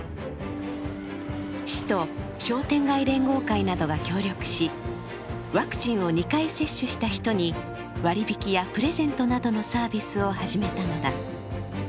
市と商店街連合会などが協力しワクチンを２回接種した人に割引やプレゼントなどのサービスを始めたのだ。